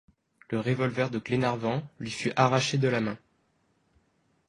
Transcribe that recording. Le revolver de Glenarvan lui fut arraché de la main.